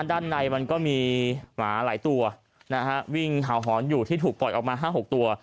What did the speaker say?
ด้านในมันก็มีหมาหลายตัวนะฮะวิ่งเห่าหอนอยู่ที่ถูกปล่อยออกมา๕๖ตัว